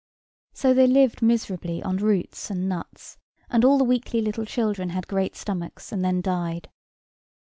So they lived miserably on roots and nuts, and all the weakly little children had great stomachs, and then died.